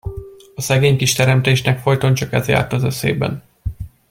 A szegény kis teremtésnek folyton csak ez járt az eszében.